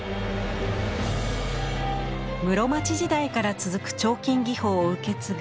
室町時代から続く彫金技法を受け継ぐ